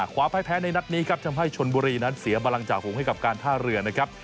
ความพ่ายแพ้ในนัดนี้ครับทำให้ชนบุรีนั้นเสียบรังจ่าฝูงให้กับการท่าเรือนะครับ